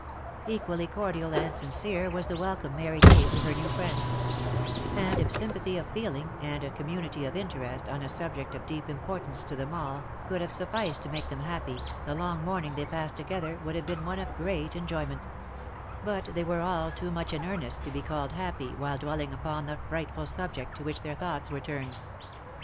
Equally cordial and sincere was the welcome Mary gave to her new friends ; and if sympathy of feeling, and a community of interest, on a subject of deep importance to them all, could have sufficed to make them happy, the long morning they passed together would have been one of great enjoyment ; but they were all too much in earnest to be called happy while dwelling upon the frightful subject to which their thoughts were turned.